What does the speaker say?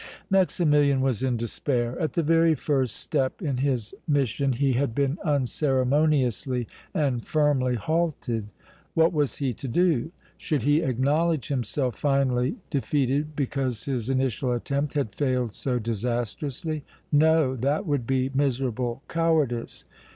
Maximilian was in despair. At the very first step in his mission he had been unceremoniously and firmly halted. What was he to do? Should he acknowledge himself finally defeated because his initial attempt had failed so disastrously? No; that would be miserable cowardice!